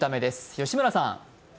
吉村さん。